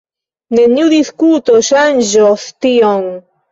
Neniu diskuto ŝanĝos tion.